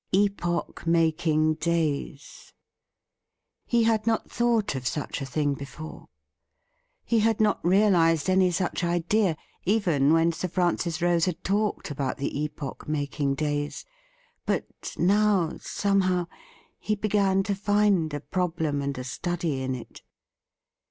' Epoch making days !' He had not thought of such a thing before. He had not realized any such idea, even when Sir Francis Rose had talked about the epoch making days ; but now, "Somehow, he began to find a problem and a study in it.